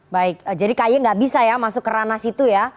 baik jadi kay nggak bisa ya masuk ke ranah situ ya